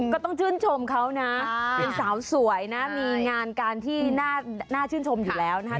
ก็ต้องชื่นชมเขานะเป็นสาวสวยนะมีงานการที่น่าชื่นชมอยู่แล้วนะครับ